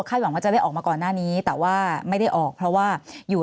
หวังว่าจะได้ออกมาก่อนหน้านี้แต่ว่าไม่ได้ออกเพราะว่าอยู่